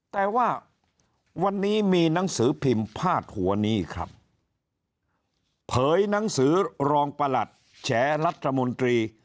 แต่ว่าวันนี้มีหนังสือพิมพ์พาดหัวนี้ครับเผยหนังสือรองประหลัดแฉรัฐมนตรี